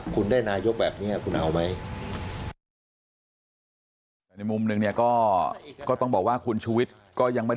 คุณได้นายกแบบนี้คุณเอาไหม